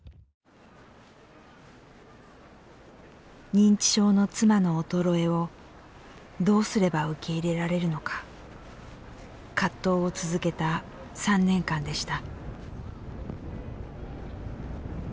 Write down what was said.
認知症の妻の衰えをどうすれば受け入れられるのか葛藤を続けた３年間でした。